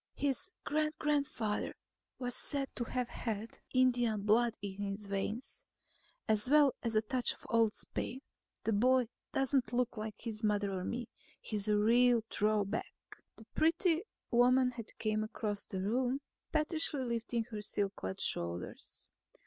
"His great grandfather was said to have had Indian blood in his veins, as well as a touch of old Spain. The boy doesn't look like his mother or me. He's a real throw back." The pretty woman had come across the room, pettishly lifting her silk clad shoulders.